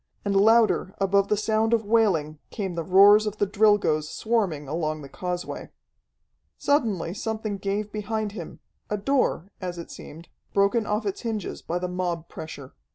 And louder above the sound of wailing came the roars of the Drilgoes swarming along the causeway. Suddenly something gave behind him a door, as it seemed, broken off its hinges by the mob pressure.